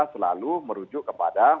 selalu merujuk kepada